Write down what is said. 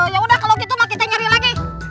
yaudah kalau gitu kita nyari lagi